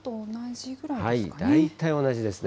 大体同じですね。